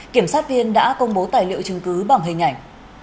kiểm sát viên đã công bố tài liệu chứng cứ bằng hình ảnh